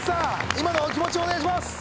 今のお気持ちお願いします